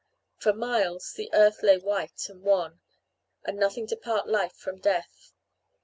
For miles, the earth lay white and wan, with nothing to part life from death.